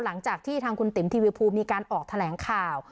หลังจากที่ทางคุณติ๋มทีวีภูมีการออกแถลงข่าว